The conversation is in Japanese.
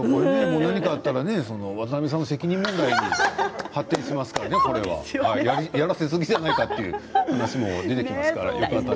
何かあったら渡邊さんの責任問題に発展しますからね、やらせすぎじゃないかと大丈夫でした。